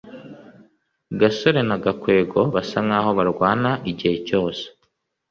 gasore na gakwego basa nkaho barwana igihe cyose